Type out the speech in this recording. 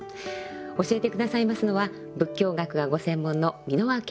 教えて下さいますのは仏教学がご専門の蓑輪顕量先生です。